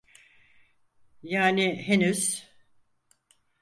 Yani henüz.